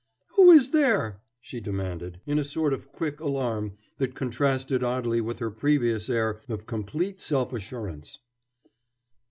"Who is there?" she demanded, in a sort of quick alarm that contrasted oddly with her previous air of complete self assurance.